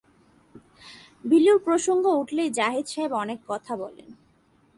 বিলুর প্রসঙ্গ উঠলেই জাহিদ সাহেব অনেক কথা বলেন।